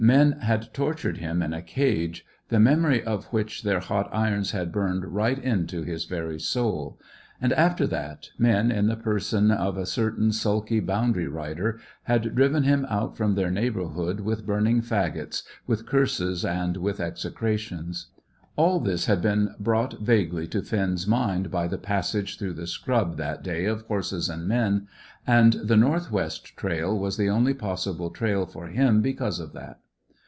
Men had tortured him in a cage, the memory of which their hot irons had burned right into his very soul. And, after that, men, in the person of a certain sulky boundary rider, had driven him out from their neighbourhood with burning faggots, with curses, and with execrations. All this had been brought vaguely to Finn's mind by the passage through the scrub that day of horses and men, and the north west trail was the only possible trail for him because of that.